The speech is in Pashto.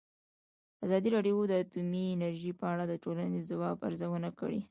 ازادي راډیو د اټومي انرژي په اړه د ټولنې د ځواب ارزونه کړې.